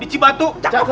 dicipatu beli mentega